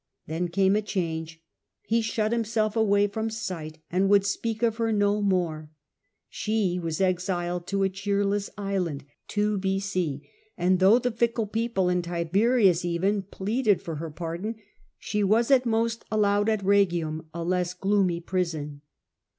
Then came a change ; he shut himself away from sight, and would speak of her no more. She was Her banish lo a cheerless island; and though the ment(B.c. 2) fickle people, and Tiberius even, pleaded for her pardon, she was at most allowed at Rhegium a less gloomy prison.